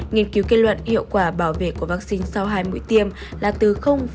nghiên cứu kết luận hiệu quả bảo vệ của vaccine sau hai mũi tiêm là từ hai mươi